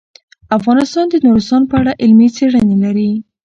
افغانستان د نورستان په اړه علمي څېړنې لري.